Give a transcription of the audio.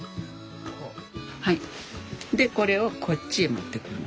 でこれをこっちへ持ってくるの。